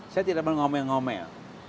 saya tidak mau ngomel ngomel